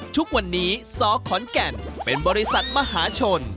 ทุกวันนี้สขอนแก่นเป็นบริษัทมหาชน